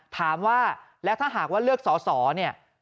ถามว่าแล้วถ้าหากว่าเลือกสอสอเนี่ย